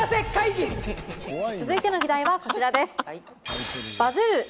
続いての議題はこちらです。